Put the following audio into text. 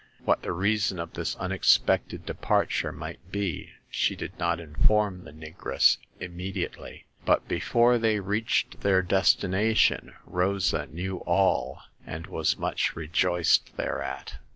What the reason of this unexpected de parture might be she did not inform the negress immediately ; but before they reached their destination Rosa knew all, and was much re joiced thereat.